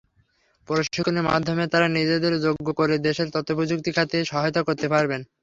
প্রশিক্ষণের মাধ্যমে তাঁরা নিজেদের যোগ্য করে দেশের তথ্যপ্রযুক্তি খাতে সহায়তা করতে পারবেন।